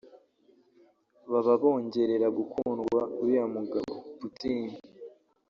Baba bongerera gukundwa uriya mugabo [Putin]